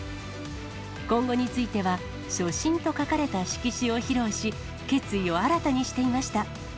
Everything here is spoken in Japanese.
今後については、初心と書かれた色紙を披露し、決意を新たにしていました。